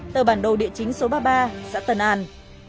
tờ bản đồ địa chính số ba mươi ba xã tân an